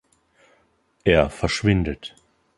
Er verschwindet.